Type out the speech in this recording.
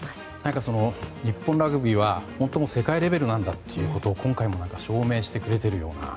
日本ラグビーは世界レベルなんだということを今回も証明してくれているような。